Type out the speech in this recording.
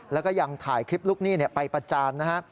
แล้วก็ยังถ่ายคลิปลูกหนี้ไปประจานนะฮะ